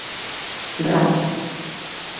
Racha.